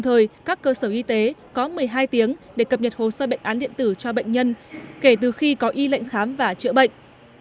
hồ sơ bệnh án điện tử cho bệnh nhân kể từ khi có y lệnh khám và chữa bệnh